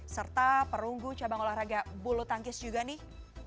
serta perunggu cabang olahraga bulu tangkis juga nih